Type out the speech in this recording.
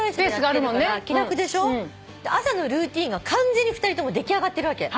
朝のルーティンが完全に２人とも出来上がってるわけ。